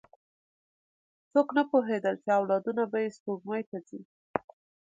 څوک نه پوهېدل، چې اولادونه به یې سپوږمۍ ته ځي.